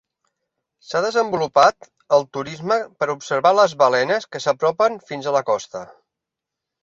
S'ha desenvolupat el turisme per observar les balenes que s'apropen fins a la costa.